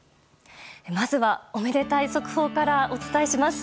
まずは、おめでたい速報からお伝えします。